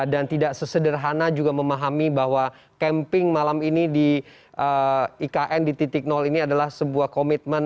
dan tidak sesederhana juga memahami bahwa camping malam ini di ikn di titik nol ini adalah sebuah komitmen